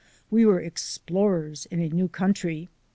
We were explorers in a new country.